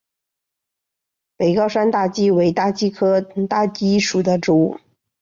北高山大戟为大戟科大戟属的植物。